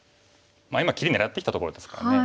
今切り狙ってきたところですからね。